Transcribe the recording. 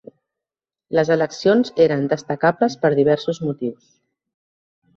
Les eleccions eren destacables per diversos motius.